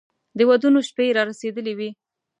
د ودونو شپې را رسېدلې وې.